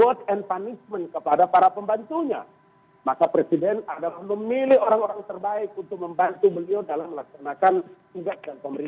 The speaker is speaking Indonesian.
untuk menghadapi pandemi ini dan harus didukung oleh seluruh rakyat indonesia